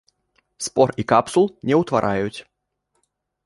Спор і капсул не ўтвараюць.